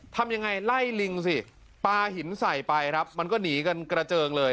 ทำยังไงไล่ลิงสิปลาหินใส่ไปครับมันก็หนีกันกระเจิงเลย